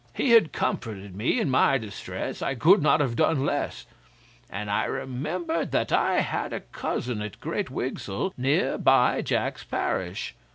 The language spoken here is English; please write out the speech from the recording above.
He had comforted me in my distress. I could not have done less; and I remembered that I had a cousin at Great Wigsell, near by Jack's parish.